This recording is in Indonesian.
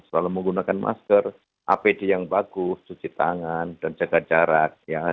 selalu menggunakan masker apd yang bagus cuci tangan dan jaga jarak